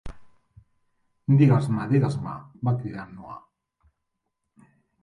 "Digues-me, digues-me!", va cridar en Noah.